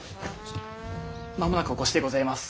間もなくお越しでございます。